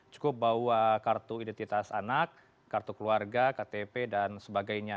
cukup bawa kartu identitas anak kartu keluarga ktp dan sebagainya